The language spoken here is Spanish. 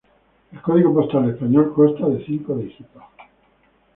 El código postal español consta de cinco dígitos.